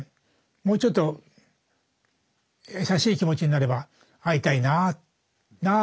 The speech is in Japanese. もうちょっと優しい気持ちになれば「会いたいなあ」。